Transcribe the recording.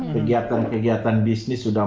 kegiatan kegiatan bisnis sudah